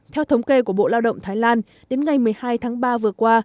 theo thống kê của bộ lao động thái lan đến ngày một mươi hai tháng ba vừa qua